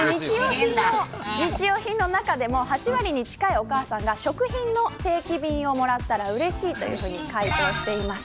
日用品の中でも８割に近いお母さんが食品の定期便をもらったらうれしいというふうに回答しています。